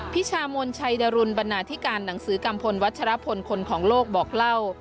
พิชามนชัยดรุนบรรณาธิการหนังสือกัมพลวัชรพลคนของโลกบอกเล่า